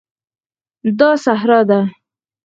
دا صحرا ده